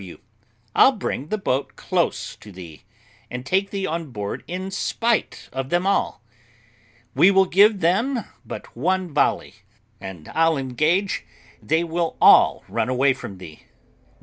W. I'll bring the boat close to thee, and take thee on board in spite of them all. We will give them but one volley, and I'll engage they will all run away from thee.